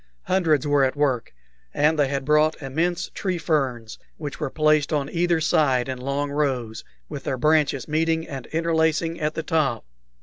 Hundreds were at work, and they had brought immense tree ferns, which were placed on either side in long rows, with their branches meeting and interlacing at the top.